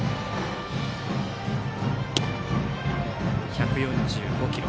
１４５キロ。